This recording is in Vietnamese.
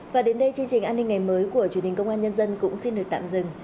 và đến đây chương trình an ninh ngày mới của truyền hình công an nhân dân cũng xin được tạm dừng